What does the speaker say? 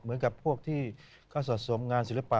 เหมือนกับพวกที่เขาสะสมงานศิลปะ